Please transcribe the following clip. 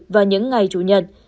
vào những ngày chủ nhật